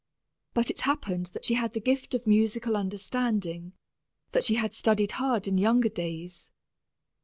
But it happened that she had the gift of musical understanding, that she had studied hard in younger days.